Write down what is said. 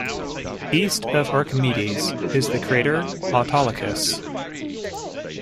East of Archimedes is the crater Autolycus.